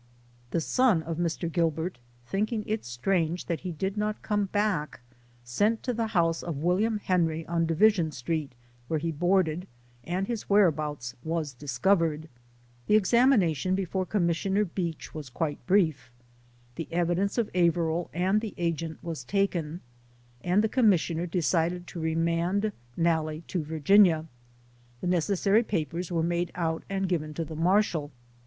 The son of Mr. Gilbert, thinking it strange that he did not come back, sent to the house of William Henry, on Division Street, where he board ed, and his whereabouts was discovered. The examination before Commissioner Beach was quite brief. The evidence of Averill and the agent was taken, and the Commissioner decided to remand Nalle to Virginia, The necessary papers were made out and given to the Marshal.